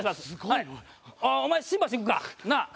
すごいな。